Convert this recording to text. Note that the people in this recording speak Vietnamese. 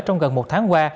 trong gần một tháng qua